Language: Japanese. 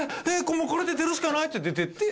「もうこれで出るしかない」って出てって